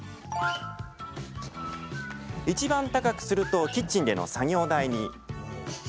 いちばん高くするとキッチンでの作業台に。